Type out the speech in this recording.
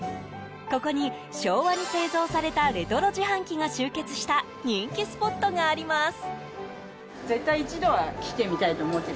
ここに、昭和に製造されたレトロ自販機が集結した人気スポットがあります。